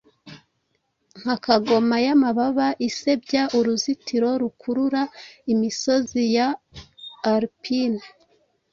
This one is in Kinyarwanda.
Nka kagoma yamababa isebya uruzitiro rukurura Imisozi ya Alipine